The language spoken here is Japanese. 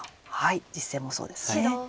実戦もそうですね。